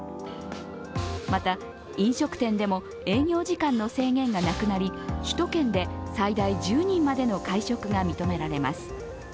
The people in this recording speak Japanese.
また、飲食店でも営業時間の制限がなくなり首都圏で最大１０人までの会食が認められます。